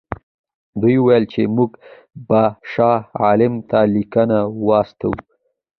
دوی وویل چې موږ به شاه عالم ته لیکونه واستوو.